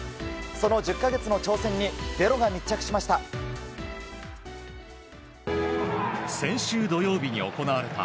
その１０か月の挑戦に「ｚｅｒｏ」が密着しました。